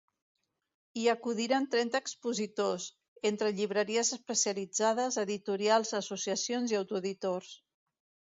Hi acudiran trenta expositors, entre llibreries especialitzades, editorials, associacions i autoeditors.